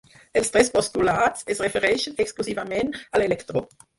Els tres postulats es refereixen exclusivament a l'electró.